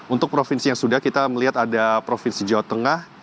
untuk provinsi yang sudah kita melihat ada provinsi jawa tengah